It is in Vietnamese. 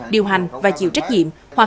điều hành và chịu trách nhiệm